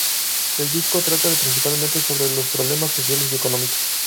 El disco trata principalmente sobre los problemas sociales y económicos.